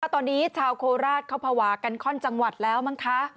ตอนนี้ชาวโคราชเขาภาวะกันข้อนจังหวัดแล้วมั้งคะ